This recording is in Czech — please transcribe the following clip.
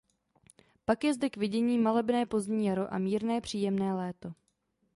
Pak je zde k vidění malebné pozdní jaro a mírné příjemné léto.